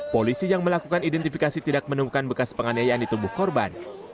polisi yang melakukan identifikasi tidak menemukan bekas penganiayaan di tubuh korban